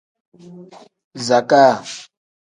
Zakaa.